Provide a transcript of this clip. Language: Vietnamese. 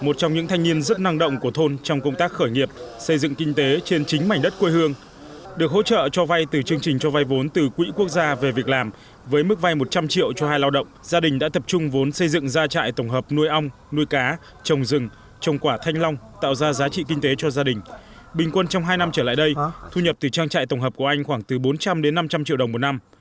trong hai năm trở lại đây thu nhập từ trang trại tổng hợp của anh khoảng từ bốn trăm linh đến năm trăm linh triệu đồng một năm